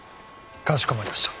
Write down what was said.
かしこまりました。